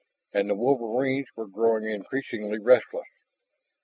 And the wolverines were growing increasingly restless.